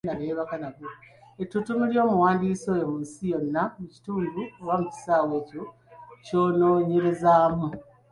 Ettuttumu ly’omuwandiisi oyo mu nsi yonna, mu kitundu oba mu kisaawe ekyo ky’onoonyererezaamu.